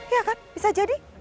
iya kan bisa jadi